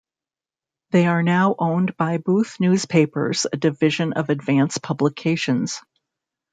They are now owned by Booth Newspapers a division of Advance Publications.